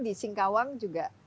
di singkawang juga